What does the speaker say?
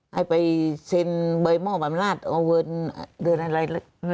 ให้ไปเซ็นเบย์โม้บัมราชออนเวิร์นเดือนอะไร